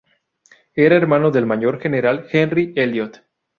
Era hermano del mayor general Henry Elliot.